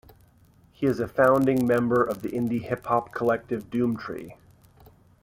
He is a founding member of the indie hip hop collective Doomtree.